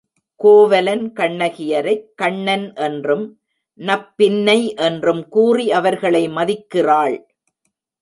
கோவலன் கண்ணகியரைக் கண்ணன் என்றும் நப்பின்னை என்றும் கூறி அவர்களை மதிக்கிறாள்.